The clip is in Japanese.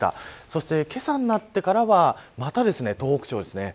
そして、けさになってからはまた東北地方ですね。